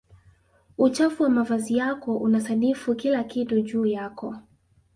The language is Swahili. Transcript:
uchafu wa mavazi yako unasadifu kila kitu juu yako